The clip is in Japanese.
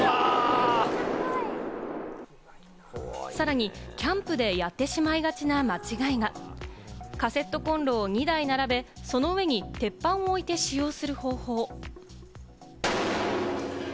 さらに、キャンプでやってしまいがちな間違いが、カセットコンロを２台並べ、その上に鉄板を置いて使用する方法。